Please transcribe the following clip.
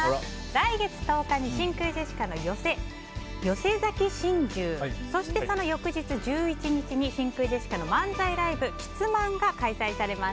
来月１０日に真空ジェシカの寄席「寄席崎心中」そして、その翌日１１日に真空ジェシカの漫才ライブ「喫漫」が開催されます。